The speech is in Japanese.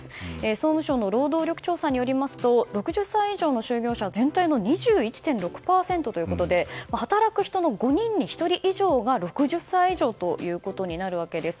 総務省の労働力調査によりますと６０歳以上の就業者は全体の２１．６％ということで働く人の５人に１人以上が６０歳以上となるわけです。